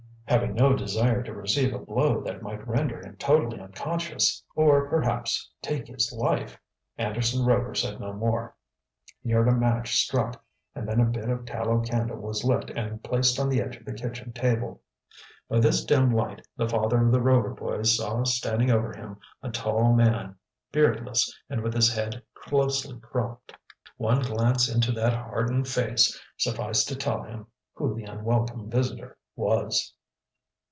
Having no desire to receive a blow that might render him totally unconscious, or, perhaps, take his life, Anderson Rover said no more. He heard a match struck, and then a bit of a tallow candle was lit and placed on the edge of the kitchen table. By this dim light the father of the Rover boys saw standing over him a tall man, beardless, and with his head closely cropped. One glance into that hardened face sufficed to tell him who the unwelcome visitor was.